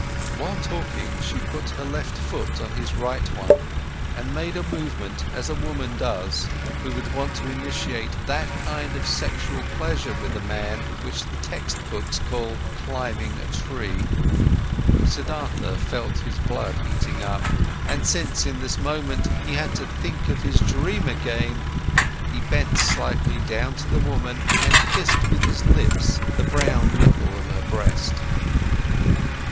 While talking, she put her left foot on his right one and made a movement as a woman does who would want to initiate that kind of sexual pleasure with a man, which the textbooks call "climbing a tree". Siddhartha felt his blood heating up, and since in this moment he had to think of his dream again, he bend slightly down to the woman and kissed with his lips the brown nipple of her breast.